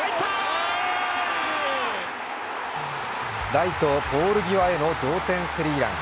ライトポール際への同点スリーラン。